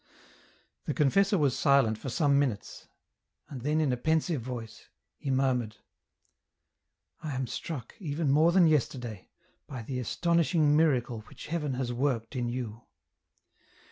The confessor was silent for some minutes, and then in a pensive voice, he murmured, " I am struck, even more than yesterday, by the astonish ing miracle which Heaven has worked in you.